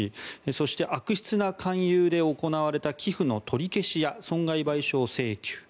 そして悪質な勧誘で行われた寄付の取り消しや損害賠償請求。